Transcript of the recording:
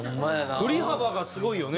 振り幅がすごいよね。